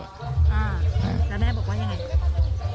อ่าแล้วแม่บอกว่ายังไง